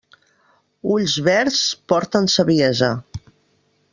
Ulls verds porten saviesa.